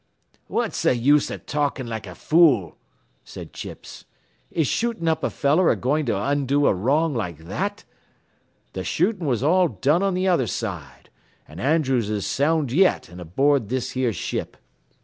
"What's th' use av ye talking like a fool?" said Chips. "Is shootin' up a feller a goin' to undo a wrong like that? Th' shootin' was all done on th' other side, an' Andrews is sound yet an' aboard this here ship.